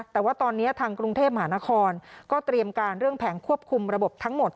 แต่ว่าตอนนี้ทางกรุงเทพมหานครก็เตรียมการเรื่องแผงควบคุมระบบทั้งหมด